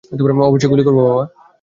অবশ্যই গুলি করবো, বাবা।